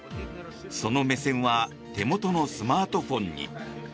その目線は手元のスマートフォンに。